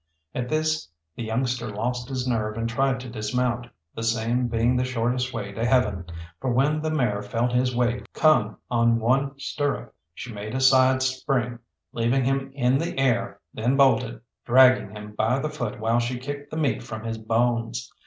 At this the youngster lost his nerve and tried to dismount, the same being the shortest way to heaven, for when the mare felt his weight come on one stirrup she made a side spring, leaving him in the air, then bolted, dragging him by the foot while she kicked the meat from his bones.